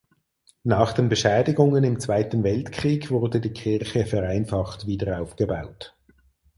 Nach den Beschädigungen im Zweiten Weltkrieg wurde die Kirche vereinfacht wieder aufgebaut.